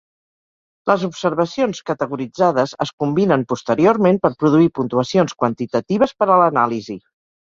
Les observacions categoritzades es combinen posteriorment per produir puntuacions quantitatives per a l'anàlisi.